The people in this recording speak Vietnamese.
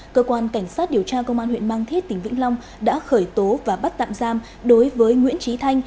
cơ quan cảnh sát điều tra công an huyện mang thít tỉnh vĩnh long đã khởi tố và bắt tạm giam đối với nguyễn trí thanh